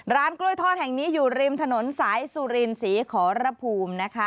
ร้านกล้วยทอดแห่งนี้อยู่ริมถนนสายสุรินทร์ศรีขอระภูมิ